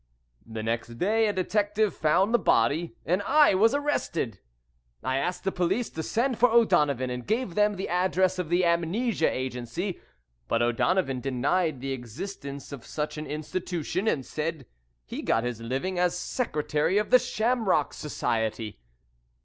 The next day a detective found the body, and I was arrested. I asked the police to send for O'Donovan, and gave them the address of the Amnesia Agency, but O'Donovan denied the existence of such an institution, and said he got his living as secretary of the Shamrock Society.